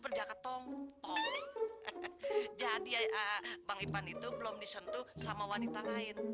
berjaga tong tong jadi ya bang ipan itu belum disentuh sama wanita lain